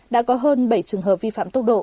đã có hơn bảy trường hợp vi phạm tốc độ